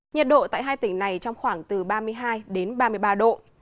nhiệt độ tại hai tỉnh này trong khoảng từ ba mươi hai đến ba mươi ba độ